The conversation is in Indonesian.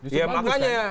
justru bagus kan